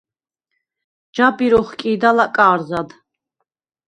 ჯაბირ ოხკი̄და ლაკა̄რზად.